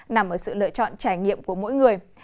nằm ở sự lựa chọn trải nghiệm của mỗi người